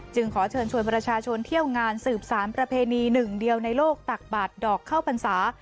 ขอเชิญชวนประชาชนเที่ยวงานสืบสารประเพณีหนึ่งเดียวในโลกตักบาทดอกเข้าพรรษา